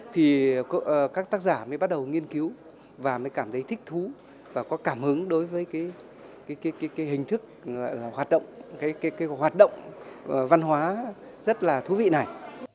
thì các tác giả mới bắt đầu nghiên cứu và mới cảm thấy thích thú và có cảm hứng đối với cái hình thức hoạt động cái hoạt động văn hóa rất là thú vị này